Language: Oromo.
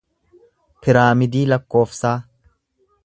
piraamidii lakkoofsaa